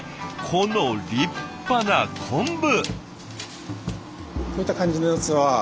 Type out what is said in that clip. この立派な昆布！